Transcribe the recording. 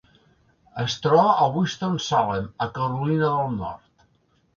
Es troba a Winston-Salem, a Carolina del Nord.